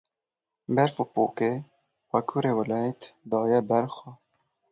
Berf û pûkê bakurê welêt daye ber xwe.